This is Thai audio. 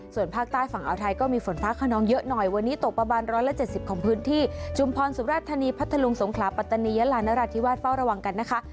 ส่วนภาคใต้ฝั่งอาวไทยก็มีฝนฟ้าขนองเยอะหน่อยวันนี้ตกประมาณ๑๗๐ของพื้นที่ชุมพรสุราชธานีพัทธลุงสงขลาปัตตานียะลานราธิวาสเฝ้าระวังกันนะคะ